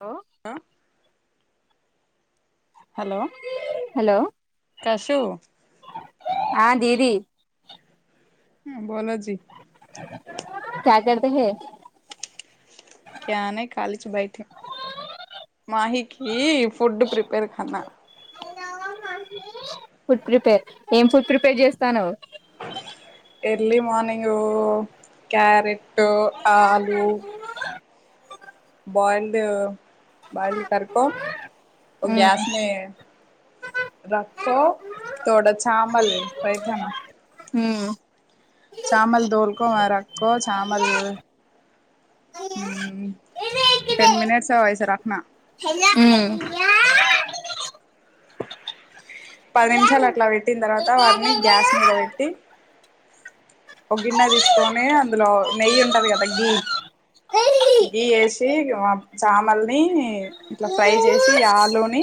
లో hello hello కాశ్యూ ది బోలో జీ క్యా కార్తె హై క్యానే కాలించి బయటీం మాహీకి ఫుడ్ ప్రిపేర్ కన్నా ఫుడ్ ప్రిపేర్ ఏం ఫుడ్ ప్రిపేర్ చేస్తానవ్ ఎర్లీ మార్నింగ్ క్యారెటు ఆలూ బయిల్డ్ బయిల్ కారుకో గ్యాస్ మే రక్కో తోడ చామల్ రైతానా చామల్ దోల్కో మే రాక్కో చామల్ టెన్ మనిట్స్ ఐసా రక్న ఉమ్ పది నిమిషాలు అట్లా పెట్టిన తర్వాత. వాటిని గ్యాస్ మీద పెట్టి. ఓ గిన్నె తీసుకొని అందులో నెయ్యి ఉంటాది కదా. గీ గీ వేసి ఆ చామల్ని ఇట్లా ఫ్రై చేసి. ఆలు ని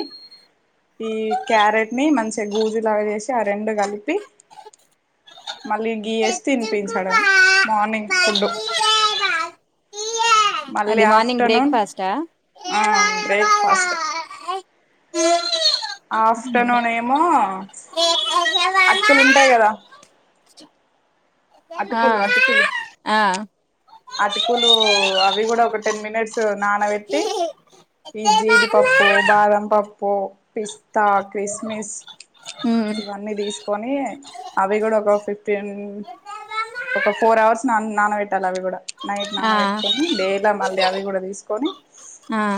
ఈ క్యారెట్ ని మంచిగా గూజులాగా చేేసి ఆ రెండు కలిపి. మళ్ళీ గీ యేసి తినిపించడమే. మార్నింగ్ ఫుడ్డు అది మార్నింగ్ బ్రేక్ ఫాస్ట్ ఆ ఆ బ్రేక్ఫాస్ట్ యీ ఆఫ్టర్నూన్ ఏమో అట్కులు ఉంటాయి కదా ఆ అటుకులు అటుకులు ఆ అటుకులు అవి గూడా ఒక టెన్ మినిట్స్ నానబెట్టి. ఈ జీడి పప్పు, బాదం పప్పు, పిస్తా, క్రిస్మిస్ ఇవన్నీ తీసుకొని, అవి కూడా ఒక ఫిఫ్టీన్ ఒక ఫోర్ అవర్స్ నా నానబెట్టాలి. అవి కూడా నైట్ ఆ ఆ నానబెట్టుకొని డేలో మళ్ళీ అవి కూడా తీసుకొని. ఆ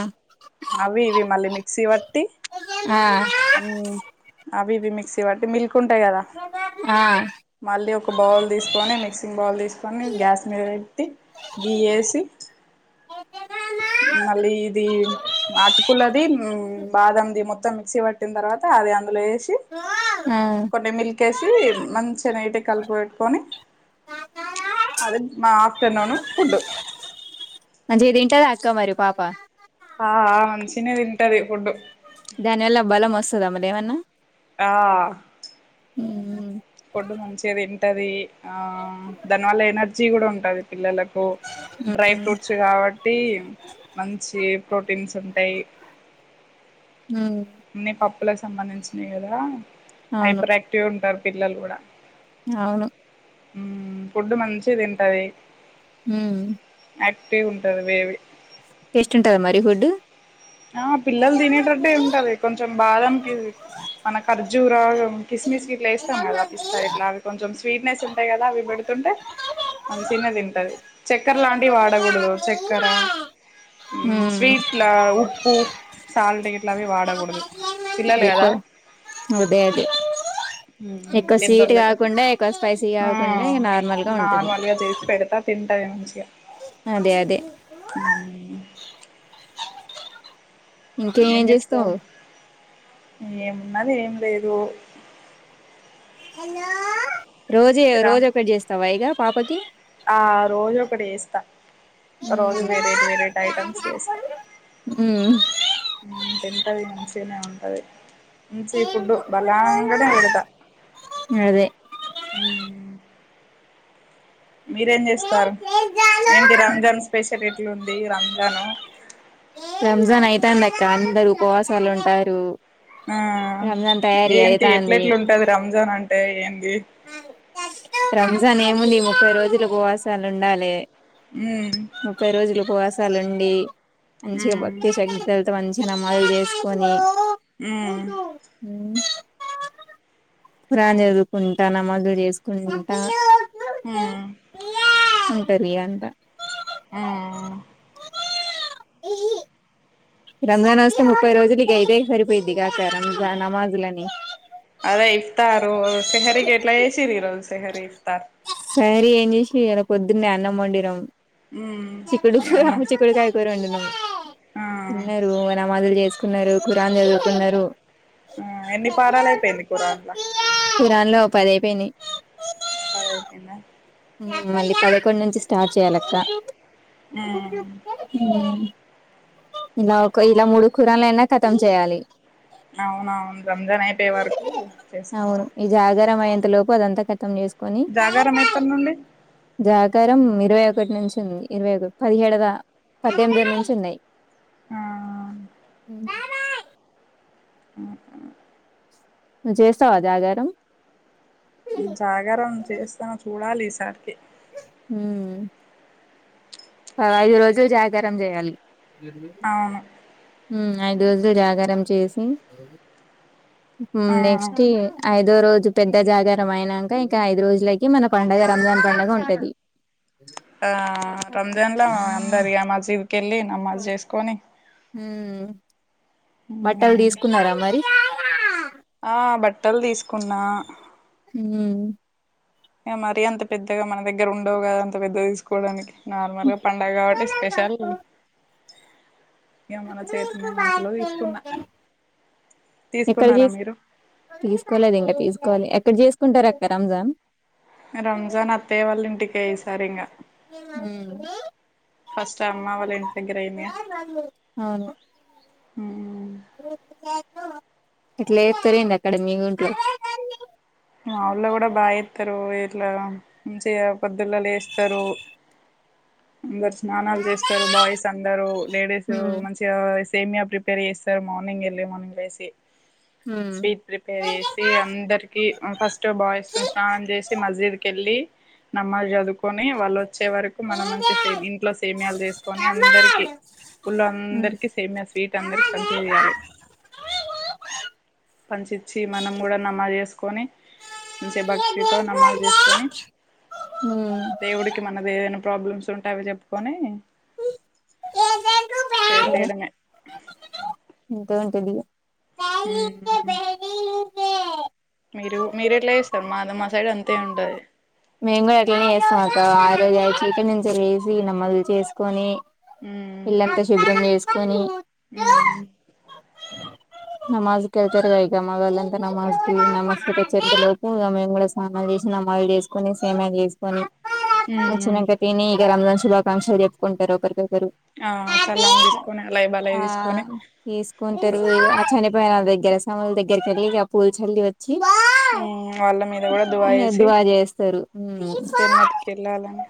అవి ఇవి మళ్ళీ మిక్సీ పట్టి ఆ ఉమ్ అవి ఇవి మిక్సీ వాట్టి మిల్క్ ఉంటాయి కదా. ఆ మళ్ళీ ఒక బౌల్ తీస్ దాన్నీ మిక్సింగ్ బౌల్ తీసుకొని. గ్యాస్ మీద పెట్టి, గీ యేసి. మళ్ళీ ఇది నటుకులది, మ్మ్ బాదంది మొత్తం. మిక్సీ పట్టిన తర్వాత అద్ ది అందులో యేసి. ఆ కొన్ని మిల్క్ ఏసి మంచిగా నీటిగ్ కలిపెట్టుకొని. అదే మా ఆఫ్టర్నూను ఫుడ్డు మంచిగ్ తింటదా అక్క మరి పాప. ఆ ఆ మంచినే తింటది. ఫుడ్డు దానివల్ల బలం వస్తద మల్లేమన్నా ఆ ఫుడ్డు మంచిగా తింటంది. ఆ దానివల్ల ఎనర్జీ గూడా ఉంటది, పిల్లలకు డ్రై ఫ్రూట్స్ గాబట్టి మంచి ప్రోటీన్స్ ఉంటాయి. అన్ని పప్పులకు సంబంధించినాయ్ గదా. హైపర్ యాక్టివ్ ఉంటారు పిల్లలు గూడా. అవును ఉమ్ ఫుడ్డు మంచిగ్ తింటది. అవును యాక్టివ్ ఉంటది. బేబీ టేస్ట్ ఉంటదా మరి ఫుడ్డు ఆ పిల్లలు తినేటటె ఉంటది. కొంచెం బాధంప్యూరీ మన ఖర్జూరాలు, కిస్మిస్ గిట్లా వేస్తాం కదా. పిస్తా గిట్లా అవి కొంచెం స్వీట్నెస్ ఉంటాయి కదా. అవి పెడిత్ తుంటే మంచినే తింటది. చక్కర లాంటివి వాడగుడదు చక్కెర, ఉమ్ మ్మ్ స్వీట్ల, ఉప్పు, సాల్ట్ గిట్లావి వాడకూడదు. పిల్లలు కదా ఎక్కువ నో బేబీ ఎక్కువ స్వీట్ పెద్దోళ్ళకి కాకుండా, ఎక్కువ స్పైసీ ఆ కాకుండా, ఇగా నార్మల్గా ఉంటుంది. అదేవిధంగా మంచిగా అదే అదే ఇంకే ఏం ఏం చేస్తావ్ ఇంగే ఏమున్నది ఏం లేదు రోజిగ రా రోజోక్కటి చేస్తావా ఇగ పాపకి ఆ రోజు ఒకటి జేస్త రోజు మ్మ్ వేరేట్ వేరేట్ ఐటమ్స్ చేస్తా. ఉమ్ తీన్ టాది. మంచిగానే ఉంటాది. మంచి మ్మ్ ఫుడ్డు బలంగానే పెడతా. అదే ఉమ్మ్ మీరేం చేస్తు న్నారు ఏంటి రంజాన్ స్పెషల్ ఎట్లుంది రంజాన్ రంజాన్ అయితాంది అక్క అందరు ఉపవాసాలు ఉంటారు ఆ రంజాన్ తయారీ ఏంటి ఎట్ల అయితాంది ఎట్లుంటది రంజాన్ అంటే ఏం రంజాన్ ఏముంది ముప్పై రోజులు ఉపవాసాలు ఉండాలే మ్మ్ ముప్పై రోజులు ఉపవాసాలు ఉండి మంచిగా మ్మ్ భక్తి శ్రద్ధల మంచిగ నమాజులు చేసుకొని ఆ ఖురాన్ చదువుకుంట నమాజులు చేసుకుంటా ఆ ఉంటారిగ అంత ఆ ఈ రంజాన్ వస్తే ముప్పై రోజులు ఇగ ఇదే సరిపోయిద్ది ఇక రంజాన్ నమాజులని అదే ఇఫ్తారు శెహరి ఎట్లా చేసిర్రు ఈ రోజు శెహరి ఇఫ్తార శెహరీ ఏం చేసి ఇయాలా పొద్దున్నే అన్నమండినం మ్మ్ చికుడు ఏమన్నా చిక్కుడుకాయ కోరోండినం ఆ తిన్నరు ఇగ నామాజులు చేసుకున్నరు కురాను చదువుకున్నారు ఆ ఎన్ని పారాలయిపోయింది ఖురాన్ల లో ఓ పది అయిపోయినాయి పది అయిపోయినయా మళ్ళీ పదకొండు నుంచి స్టార్ట్ చేయాలక్క ఉమ్ ఇలా ఒక ఇలా మూడు ఖురాన్లు అయినా కతం చేయాలి అవునవును రంజాన్ అయిపోయే వరకు అవును చేసుకోవాలి ఈ జాగారం అయ్యేంత లోపు అదంతా కతం చేస్ జాగారం ఎప్పడినుండి జాగారం ఇరవై ఒకటి నుంచి ఉంది ఇరవై ఒకటి పదిహేడు పద్దెనిమిది నుంచి ఉన్నయి ఆ దా ఆ నువ్వు చస్తావా జాగారం జాగరం చేస్తనా చూడాలి ఈసారికి ఉమ్ ఐదు రోజులు జాగారం చేయాలి అవును ఉమ్ ఐదు రోజులు జాగారం చేసి ఆ నెక్స్ట్ ఐదు ఐదో రోజు పెద్ద జాగారం అయినంక ఇంక ఐదు రోజులకి మన పండగ రంజాన్ పండుగ ఉంటది ఆ రంజాన్లా అందరిగ మసీదుకెళ్ళి నమాజ్ చేసుకొని బట్టలు ఉమ్ తీసుకున్నరా మరి ఆ బట్టలు తీసుకున్నా ఉమ్ ఇగ మరి అంత పెద్దగ మన దగ్గర ఉండవు కదా అంత పెద్దగ తీసుకోవడానికి నార్మల్గ పండుగ కాబట్టి స్పెషల్ ఇగ మన చేతనైనంతలో తీసుకున్నా ఎక్కడ తీసుకున్నారా చేసు మీరు తీసుకోలేదు ఇంకా తీసుకోవాలి ఎక్కడ చేసుకుంటారు అక్క రంజాన్ రంజాన్ అత్తయ్య వాళ్ళ ఇంటికే ఈసారి ఇంగ ఫస్ట్ అమ్మ వాళ్ళ ఇంటి దగ్గర అయిందిగా ఉమ్ ఎట్ల చేస్తరెంది అక్కడ మీ ఊళ్ళో మా ఊళ్ళ కూడ బాగా చేస్తరు ఇట్ల మంచిగ పొద్దుళ లేస్తరు అందరు స్నానాలు చేస్తరు బాయ్స్ అందరూ లేడీస్ హ్మ్ మంచిగా సేమ్యా ప్రిపేర్ చేస్తరు మార్నింగ్ ఎర్లీ మార్నింగ్ లేసి హ్మ్ స్వీట్ ప్రిపేర్ చేసి అందరికి ఫస్ట్ బాయ్స్ ను స్నానం చేసి మస్జిద్ కెళ్ళి నమాజ్ చదువుకొని వాళ్ళో వచ్చే వరకు మనం మంచి సే ఇంట్లో సేమ్యాలు చేసుకొని అందరికి ఊళ్ళో హ్మ్ అందరికి సేమ్యా స్వీట్ అందరికి పంచె చేయాలి పంచిచ్చి మనం కూడా నమాజ్ చేసుకొని మంచి భక్తితో నమాజ్ చేసుకొని హ్మ్ దేవుడికి మన దే ఏమైనా ప్రాబ్లమ్స్ ఉంటె ఆవి చెప్పుకొని ఉ చేసేయడమే ఎంత ఉంటది ఉమ్ మీరు మీరు ఎట్లా చేస్తారు మాది మా సైడ్ అంతే ఉంటది మేము కూడా అట్లనే చేస్తాంక ఆ రోజు చీకటీ నుంచి లేసి నమాజ్ చేసుకొని ఉమ్ ఇల్లంతా శుభ్రం చేసుకొని ఉమ్ నమజ్ కెళ్తారుగా ఇక మావాళ్ళంతా అంత నమాజ్ నమాజ్ చదువుతు లేటై [unintelligible] నమాజ్లు చేసుకొని సేమ్యాలు చేసుకొని ఉమ్ వచ్చిన్నంక తిని ఇక రంజాన్ శుభాకాంక్షలు చెప్పుకుంటారు ఒకరికోక రు ఆ సలాం తీసుకొని అలాయి బలాయి ఆ తీసుకొని తీ అంటారు ఆ చనిపోయిన వాళ్ళ దగ్గర సమాధుల దగ్గరిక వెళ్ళి పూలు చల్లి వచ్చి మ్మ్ వాళ్ళ మీద కూడా దువా ఎద్దు చేసి బాగా చేస్తారు ఉ జన్నతికి వెళ్ళాలని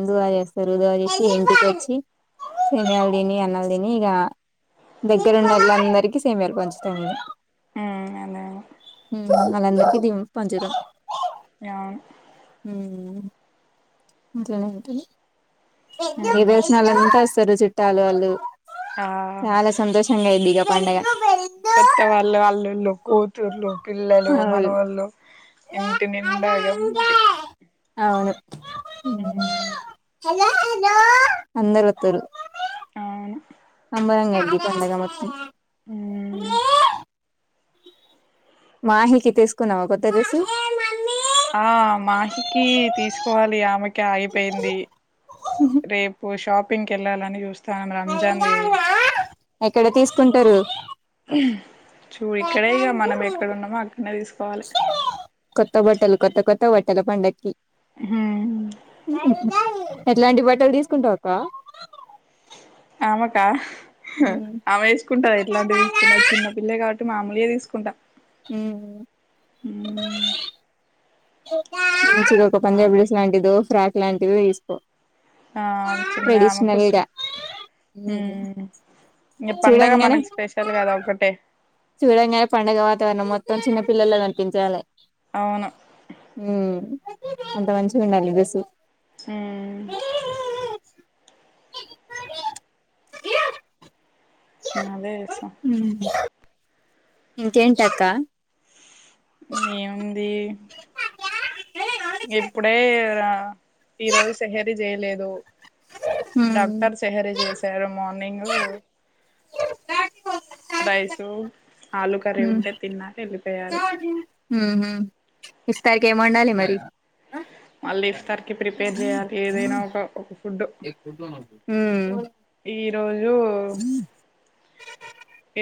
ఉదువా చేస్తారు ఉదువా చేసి ఇంటికి వచ్చి ఇక తిని అన్నాలు తిని ఇక దగ్గర ఉన్నోలందరికి సేమ్యాలు పంచుతాము హు అదే అదే అందరికీ ది పంచుతాం ఆ అంటనే అంట ఏ మ్మ్ వేసిన వాళ్ళంతా వస్తారు చుట్టాలు వోళ్ళు ఆ చాలా సంతోషంగా ఉంది ఇగ పండగ కొత్త వాళ్ళు అల్లుళ్ళు కూతుర్లు పిల్లలు అవును మనవళ్ళు ఇంటి నిండాగా ఉన్నది అవును అందరోత్తరు అవును అందంగా ఉంది పండగ మొత్తం ఉమ్ మాహికి తీసుకున్నావా కొత్త డ్రెస్సు ఆ మాహికి తీసుకోవాలి ఆమెకి ఆగిపోయింది రేపు ఓ షాపింగ్కి కెళ్లాలని చూస్తానామ్ రంజాన్ ది ఎక్కడ తీసుకుంటారు చూ ఇక్కడే ఇక మనం ఎక్కడన్నామో అక్కడనే తీసుకోవాలి కొత్త బట్టలు కొత్త కొత్త బట్టలు పండకి మ్మ్ ఎట్లాంటి బట్టలు తీసుకుంటావక్క ఆమేకా ఉమ్ ఆమె వేసుకుంటారా ఎట్లాంటివి తీసుకున్న చిన్న పిల్లే కా మామూలుయే తీసుకుంటా హ మంచిది ఒక మా పంజాబ్ డ్రెస్ లాంటిదో ఫ్రాక్ లాంటిదో తీసుకో ఆ చిన్న ఆమెకు ట్రెడిషనల్ చు గా ఉమ్ ఈ పండగ చూడంగానే మనకు స్పెషల్ కదా ఒక్కటే చూడంగా పండగ వాతావరణం మొత్తం చిన్న పిల్లలుగా కనిపించాలి అవును ఉమ్ అంత మంచిగా ఉండాలి చూసి ఉమ్ ఏ అదే చేసా ఇంకేంటక్క ఏముంది ఇప్పుడే ఈరోోజు సెహరి చేయలేదు హ్మ్ డాక్టర్ సెహరి చేశారు మార్నింగ్ రైసు ఆలు కర్రీ హ్మ్మ్ ఉంటే తిన్నారు వెళ్ళిపోయారు హ్మ్మ్ ఇఫ్తార్కి ఏమండాలి మరి మళ్ళీ ఇఫ్తార్ కి ప్రిపేర్ చేయాలి ఏదైనా ఒక ఒక ఫుడ్ హ్మ్మ్ ఈ రోజు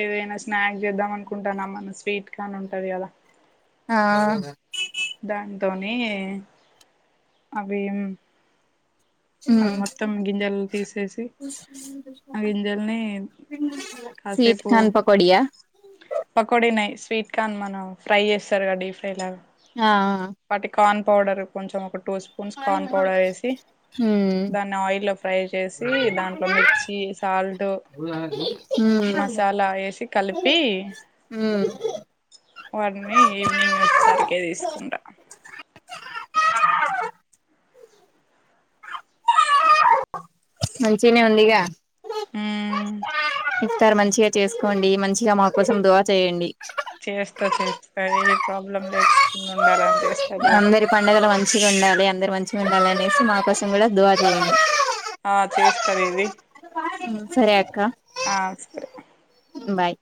ఏదైనా స్నాక్ చేద్దాం అనుకుంటానమ్మ స్వీట్ కార్న్ ఉంటది కదా ఆ దాంతోని అవిం హ్మ్మ్ తీసేసి ఆ గింజల్ని సిీట్ ాన్ పకోడియా పకోడనాయి స్వీట్ కార్న్ మనం ఫ్రై చేస్తారు కదా డీప్ ఫ్రై లాగా ఆ వాటి కార్న్ పౌడర్ కొంచెం ఒక టూ స్పూన్స్ కార్న్ పౌడర్ వేసి హ్మ్ దాన్ని ఆయిల్ ఫ్రై చేసి దాంట్లో మిర్చి సాల్ట్ హ్మ్ మసాలా వేసి కలిపి హ్మ్ వాడిని ఈవినింగ్ ఇఫ్తార్ కి తీసుకుంటా మంచినే ఉందిగా ఆ ఇఫ్తార్ మంచిగా చేసుకోండి మంచిగా మా కోసం దోహా చేయండి చేస్తా చేస్తా ఏ ప్రాబ్లం లేకుండా ఉండాలని చేస్తదివా అందరి పడుగలో మంచిగా ఉండాలి అందరు మంచిగా ఉండాలి అనేసి మా కోసం కూడా దువా చేయండి ఆ చేస్తద ఇది హ్మ్మ్ సరే అక్క ఆ సరే బాయ్